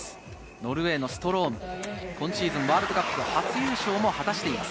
ノルウェーのストローム、今シーズンワールドカップ初優勝を果たしています。